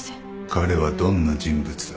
彼はどんな人物だ？